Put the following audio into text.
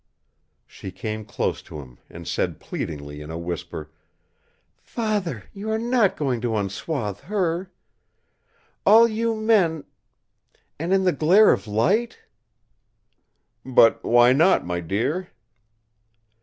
She came close to him and said pleadingly in a whisper: "Father, you are not going to unswathe her! All you men...! And in the glare of light!" "But why not, my dear?"